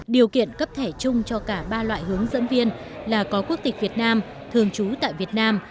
điều kiện cấp thẻ chung cho cả ba loại hướng dẫn viên là có quốc tịch việt nam thường trú tại việt nam